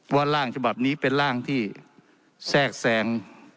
ร่างฉบับนี้เป็นร่างที่แทรกแซง